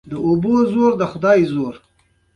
نه باید د سوء تفاهم ښکار شو، نه کېږو.